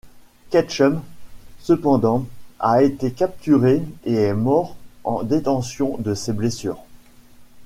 Ketchum cependant, a été capturé et est mort en détention de ses blessures.